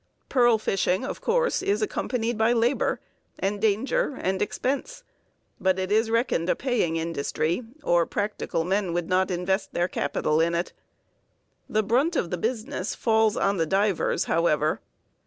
Pearl fishing, of course, is accompanied by labor and danger and expense, but it is reckoned a paying industry, or practical men would not invest their capital in it. The brunt of the business falls on the divers, however.